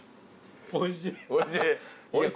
おいしい。